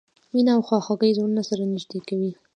مینه او خواخوږي زړونه سره نږدې کوي.